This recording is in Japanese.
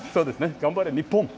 頑張れ日本！